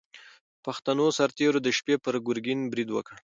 پښتنو سرتېرو د شپې پر ګورګین برید وکړ.